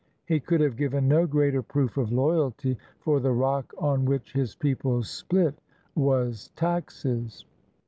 He could have given no greater proof of loyalty, for the rock on which his people split was taxes.